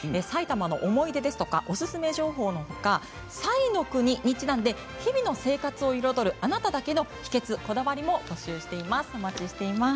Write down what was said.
埼玉の思い出やおすすめ情報のほか彩の国にちなんで日々の生活を彩る、あなただけの秘けつこだわりも募集しています。